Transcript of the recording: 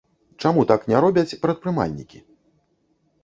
Чаму так не робяць прадпрымальнікі?